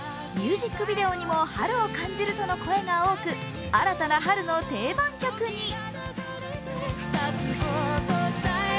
ミュージックビデオにも春を感じるとの声が多く新たな春の定番曲に。